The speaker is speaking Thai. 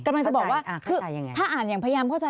ค่ะก็จะบอกว่าถ้าอ่านอย่างพยายามเข้าใจ